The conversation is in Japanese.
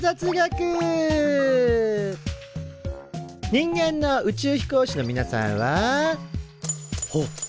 人間の宇宙飛行士のみなさんはほっ